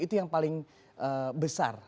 itu yang paling besar